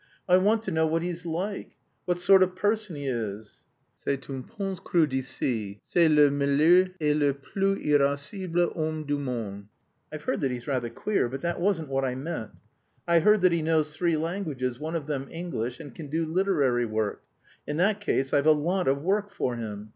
"I want to know what he's like; what sort of man he is." "C'est un pense creux d'ici. C'est le meilleur et le plus irascible homme du monde." "I've heard that he's rather queer. But that wasn't what I meant. I've heard that he knows three languages, one of them English, and can do literary work. In that case I've a lot of work for him.